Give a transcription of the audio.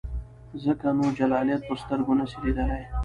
ځکه نو جلالیت په سترګو نسې لیدلای.